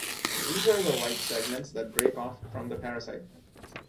These are the white segments that break off from the parasite.